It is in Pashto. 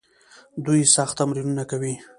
دوی سخت تمرینونه کوي.